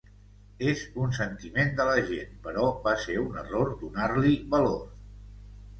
És un sentiment de la gent, però va ser un error donar-li valor.